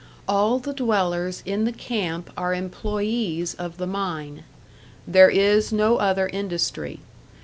All the dwellers in the camp are employés of the mine. There is no other industry.